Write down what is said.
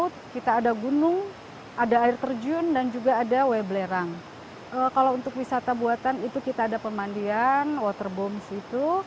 terjun dan juga ada weblerang kalau untuk wisata buatan itu kita ada pemandian waterbombs itu